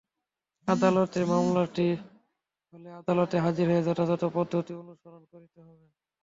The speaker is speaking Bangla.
আদালতে মামলাটি পাঠানো হলে আদালতে হাজির হয়ে যথাযথ পদ্ধতি অনুসরণ করতে হবে।